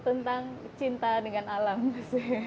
tentang cinta dengan alam